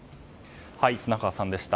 砂川さんでした。